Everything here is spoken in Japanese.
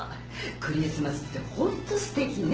クリスマスってホントすてきね。